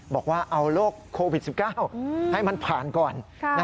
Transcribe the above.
บอกว่าเอาโรคโควิด๑๙ให้มันผ่านก่อน